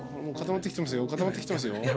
もう固まってきてますよ。